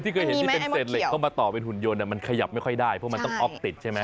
เคยเห็นที่เป็นเศษเหล็กเข้ามาต่อเป็นหุ่นยนมันขยับไม่ค่อยได้เพราะมันต้องอ๊อฟติดใช่ไหม